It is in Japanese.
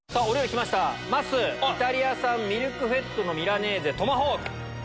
まっすー、イタリア産ミルクフェッドのミラネーゼトマホーク。